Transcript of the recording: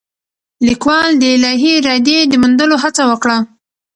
لیکوال د الهي ارادې د موندلو هڅه وکړه.